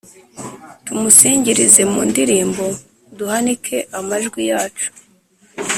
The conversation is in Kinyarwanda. Tumusingirize mu ndirimbo, Duhanike amajwi yacu,